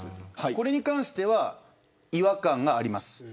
これに関しては違和感があります。